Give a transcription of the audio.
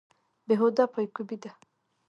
بې هوده پایکوبي ده.